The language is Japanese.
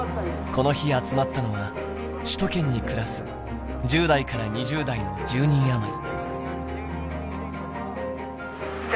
この日集まったのは首都圏に暮らす１０代から２０代の１０人余り。